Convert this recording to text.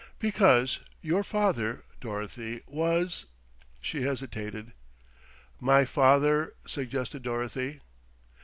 "Because your father, Dorothy, was " she hesitated. "My father," suggested Dorothy.